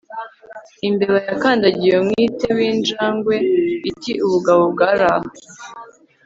imbeba yakandagiye umwite w'injangwe iti ubugabo bwari aha